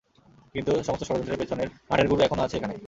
কিন্তু, সমস্ত ষড়যন্ত্রের পেছনের নাটের গুরু এখনও আছে এখানে।